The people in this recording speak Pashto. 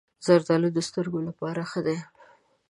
زردالو د سترګو لپاره ښه دي.